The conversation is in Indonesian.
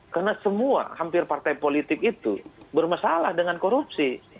karena semua hampir semua partai politik itu bermasalah dengan korupsi